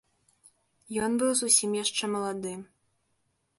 Ён быў зусім яшчэ малады.